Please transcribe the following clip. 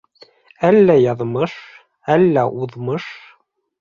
Әллә яҙмыш, әллә уҙмыш.